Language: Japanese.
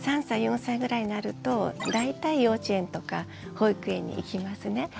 ３歳４歳ぐらいになると大体幼稚園とか保育園に行きますね。